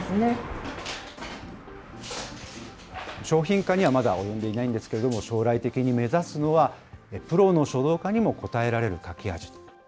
商品化にはまだ及んでいないんですけれども、将来的に目指すのは、プロの書道家にも応えられる書き味。